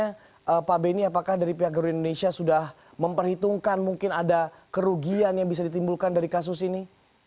bagaimana pak benny apakah dari pihak garuda indonesia sudah memperhitungkan mungkin ada kerugian yang bisa ditimbulkan dari kasus ini